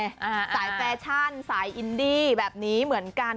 สายแฟชั่นสายอินดี้แบบนี้เหมือนกัน